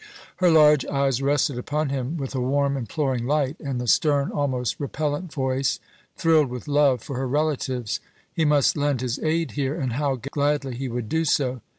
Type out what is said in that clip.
Her large eyes rested upon him with a warm, imploring light; and the stern, almost repellent voice thrilled with love for her relatives. He must lend his aid here, and how gladly he would do so!